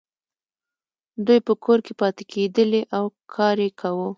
دوی په کور کې پاتې کیدلې او کار یې کاوه.